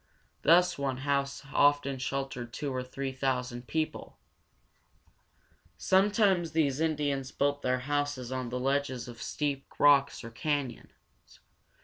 Thus one house often sheltered two or three thousand people. [Illustration: Cliff Dwellings.] Sometimes these Indians built their houses on the ledges of steep rocks, or canyons.